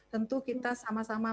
tentu kita sama sama